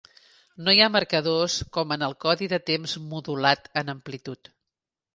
No hi ha marcadors com en el codi de temps modulat en amplitud.